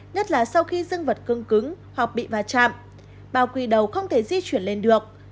nhất là sau khi dương vật cưng cứng hoặc bị va chạm ba quy đầu không thể di chuyển lên được